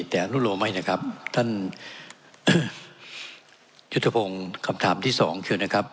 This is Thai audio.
แต่รู้รู้ไหมนะครับท่านยุธพงศ์คำถามที่สองเชิญนะครับ